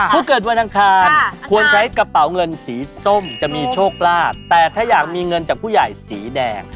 ผู้เกิดวันอังคารควรใช้กระเป๋าเงินสีส้มจะมีโชคลาภแต่ถ้าอยากมีเงินจากผู้ใหญ่สีแดง